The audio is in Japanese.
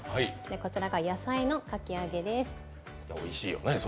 こちらが野菜のかき揚げです。